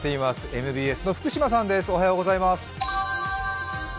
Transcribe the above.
ＭＢＳの福島さんです。